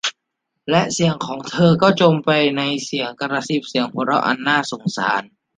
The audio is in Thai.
และเสียงของเธอก็จมไปในเสียงกระซิบ เสียงหัวเราะอันน่าสงสาร